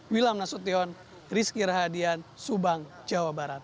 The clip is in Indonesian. wilam nasution rizky rahadian subang jawa barat